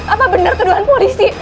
apa bener tuduhan polisi